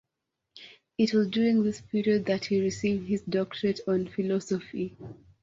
It was during this period that he received his doctorate on philosophy.